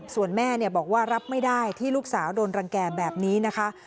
ส่วนแม่บอกว่ารับไม่ได้ที่ลูกสาวโดนรังแก่แบบนี้นะคะ